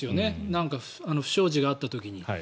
何か不祥事があった時に。